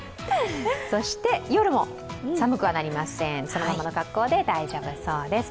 そして夜も寒くはなりません、そのままの格好で大丈夫そうです。